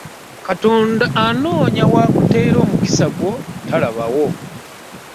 Katonda anoonya w'akuteera omukisa gwo talabawo.